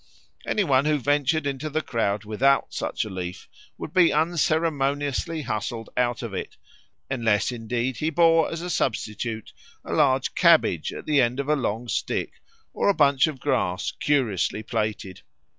Any one who ventured into the crowd without such a leaf would be unceremoniously hustled out of it, unless indeed he bore as a substitute a large cabbage at the end of a long stick or a bunch of grass curiously plaited.